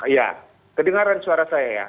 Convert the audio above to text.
ya kedengaran suara saya ya